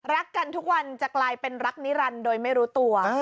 รักกันทุกวันจะกลายเป็นรักนิรันดิ์โดยไม่รู้ตัว